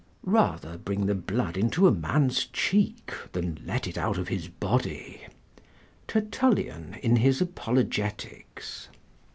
["Rather bring the blood into a man's cheek than let it out of his body." Tertullian in his Apologetics.